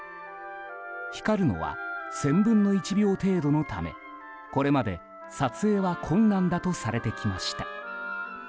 光るのは１０００分の１秒程度のためこれまで撮影は困難だとされてきました。